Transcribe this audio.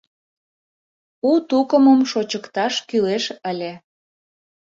У тукымым шочыкташ кӱлеш ыле.